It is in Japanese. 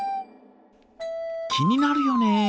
気になるよね。